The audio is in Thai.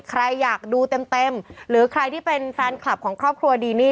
ใครอยากดูเต็มหรือใครที่เป็นแฟนคลับของครอบครัวดีนี่